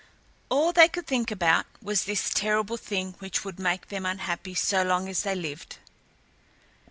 All they could think about was this terrible thing, which would make them unhappy so long as they lived.